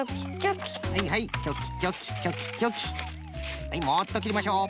はいもっときりましょう。